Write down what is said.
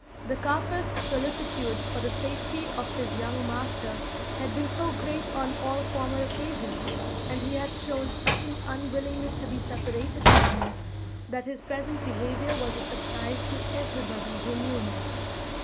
The Kaffir's solicitude for the safety of his young master had been so great on all former occasions, and he had shown such an unwillingness to be separated from him, that his present behaviour was a surprise to everybody who knew him.